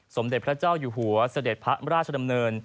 สมเด็จพระเจ้าอยู่หัวเสด็จพระราชดำเนิน